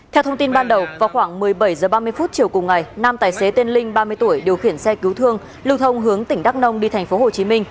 theo thông tin ban đầu vào khoảng một mươi bảy h ba mươi chiều cùng ngày nam tài xế tên linh ba mươi tuổi điều khiển xe cứu thương lưu thông hướng tỉnh đắk nông đi tp hcm